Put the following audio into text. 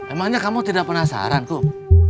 emangnya kamu tidak penasaran kok